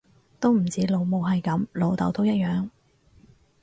都唔止老母係噉，老竇都一樣